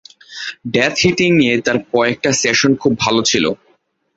Death hitting নিয়ে তাঁর কয়েকটা সেশন খুব ভালো ছিল।